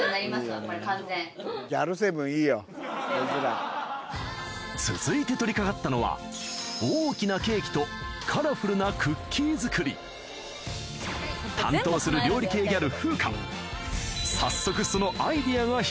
これ完全こいつら続いて取りかかったのは大きなケーキとカラフルなクッキー作り担当する料理系ギャルＦＵＫＡ